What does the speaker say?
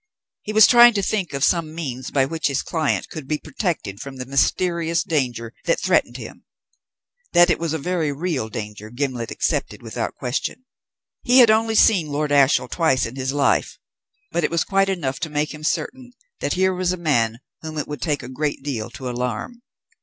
He was trying to think of some means by which his client could be protected from the mysterious danger that threatened him; that it was a very real danger, Gimblet accepted without question; he had only seen Lord Ashiel twice in his life, but it was quite enough to make him certain that here was a man whom it would take a great deal to alarm.